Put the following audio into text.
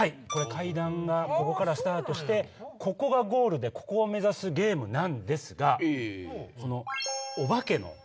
階段がここからスタートしてここがゴールでここを目指すゲームなんですが。